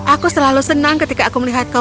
aku selalu senang ketika aku melihat kau